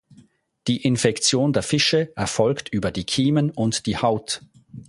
Die Infektion der Fische erfolgt über die Kiemen und die Haut.